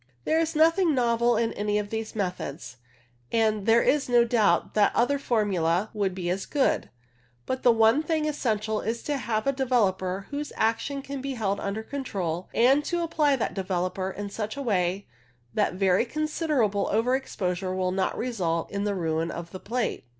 There is nothing novel in any of these methods, and there is no doubt that other formulae would be as good ; but the one thing essential is to have a developer whose action can be held under control, and to apply that developer in such a way that very considerable over exposure will not result in the ruin of the plate.